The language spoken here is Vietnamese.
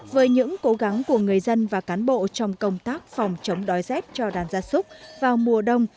với những cố gắng của người dân và cán bộ trong công tác phòng chống đói rét cho đàn gia súc vào mùa đông